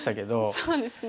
そうですね。